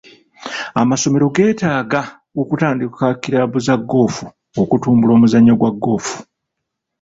Amasomero geetaaga okutandika kiraabu za ggoofu okutumbula omuzannyo gwa ggoofu.